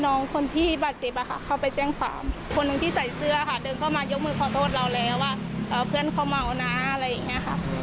ก็คงจะป้องกันในส่วนของลูกค้าเรามากกว่าค่ะ